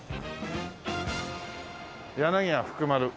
「柳家蝠丸」。